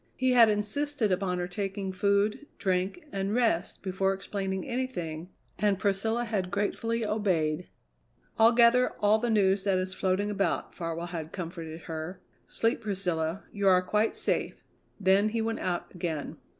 He had insisted upon her taking food, drink, and rest before explaining anything, and Priscilla had gratefully obeyed. "I'll gather all the news that is floating about," Farwell had comforted her. "Sleep, Priscilla. You are quite safe." Then he went out again.